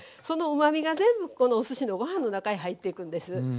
そのうまみが全部このおすしのご飯の中へ入っていくんです。